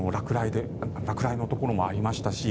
落雷のところもありましたし